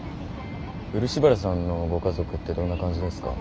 漆原さんのご家族ってどんな感じですか？